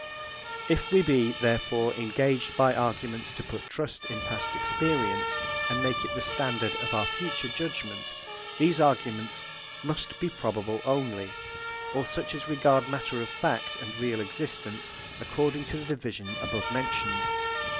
If we be, therefore, engaged by arguments to put trust in past experience, and make it the standard of our future judgement, these arguments must be probable only, or such as regard matter of fact and real existence, according to the division above mentioned.